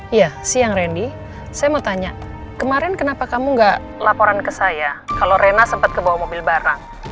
iya siang rendy saya mau tanya kemarin kenapa kamu gak laporan ke saya kalo rena sempet kebawa mobil bareng